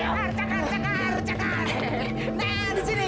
ya di sini